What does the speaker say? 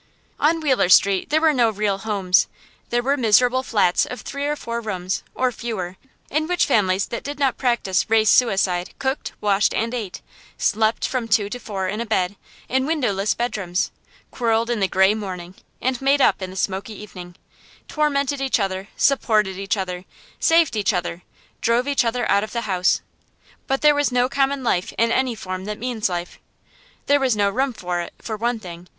On Wheeler Street there were no real homes. There were miserable flats of three or four rooms, or fewer, in which families that did not practise race suicide cooked, washed, and ate; slept from two to four in a bed, in windowless bedrooms; quarrelled in the gray morning, and made up in the smoky evening; tormented each other, supported each other, saved each other, drove each other out of the house. But there was no common life in any form that means life. There was no room for it, for one thing.